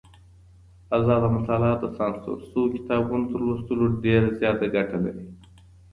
ازاده مطالعه د سانسور شويو کتابونو تر لوستلو ډېره زياته ګټه لري.